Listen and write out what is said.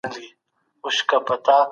حکومت سوله ایزې خبري نه ځنډوي.